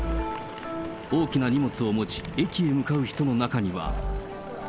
大きな荷物を持ち、駅へ向かう人の中には。